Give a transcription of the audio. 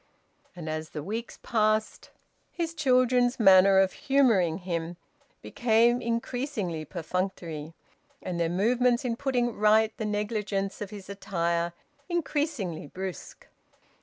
And as the weeks passed his children's manner of humouring him became increasingly perfunctory, and their movements in putting right the negligence of his attire increasingly brusque.